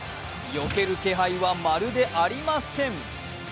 よける気配はまるでありません。